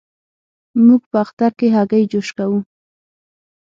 موږ په اختر کې هګی جوش کوو.